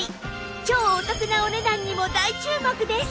超お得なお値段にも大注目です